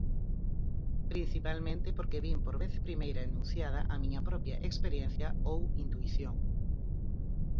Principalmente porque vin por vez primeira enunciada a miña propia experiencia ou intuición.